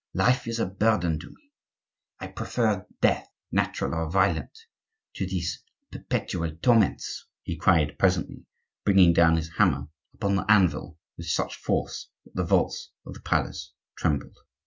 "Life is a burden to me! I prefer death, natural or violent, to these perpetual torments!" he cried presently, bringing down his hammer upon the anvil with such force that the vaults of the palace trembled.